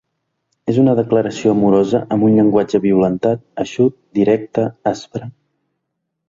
És una declaració amorosa amb un llenguatge violentat, eixut, directe, aspre.